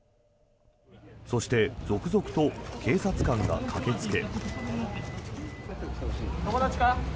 そして続々と警察官が駆けつけ。